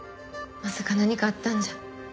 まさか何かあったんじゃ。